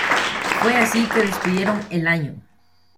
Fue así que despidieron el año.